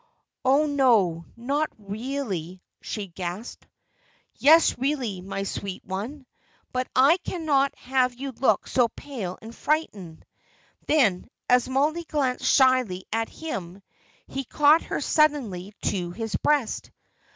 "Oh, no, not really?" she gasped. "Yes, really, my sweet one. But I cannot have you look so pale and frightened." Then, as Mollie glanced shyly at him, he caught her suddenly to his breast.